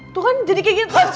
tuh kan jadi kayak gitu